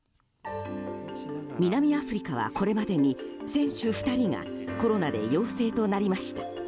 南アフリカはこれまでに選手２人がコロナで陽性となりました。